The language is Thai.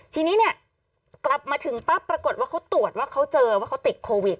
ทีนี้เนี่ยกลับมาถึงปั๊บปรากฏว่าเขาตรวจว่าเขาเจอว่าเขาติดโควิด